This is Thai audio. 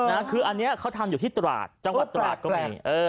อันนี้เขาทำอยู่ที่ตราดจังหวัดตราดก็มี